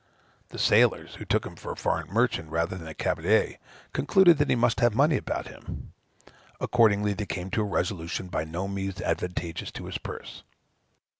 The sailors, who took him for a foreign merchant, rather than a cavalier, concluded that he must have money about him. Accordingly they came to a resolution by no means advantageous to his purse.